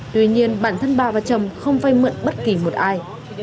tuy nhiên bản thân bà và chồng không vay mượn bất kỳ một ai